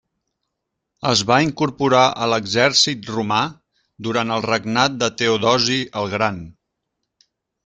Es va incorporar a l'exèrcit romà durant el regnat de Teodosi el Gran.